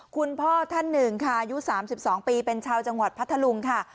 คุณพ่อท่านหนึ่งค่ะอายุ๓๒ปีเป็นชาวจังหวัดพัทธลุงค่ะ